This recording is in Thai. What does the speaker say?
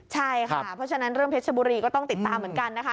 ใช่ค่ะเพราะฉะนั้นเรื่องเพชรบุรีก็ต้องติดตามเหมือนกันนะคะ